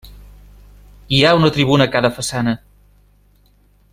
Hi ha una tribuna a cada façana.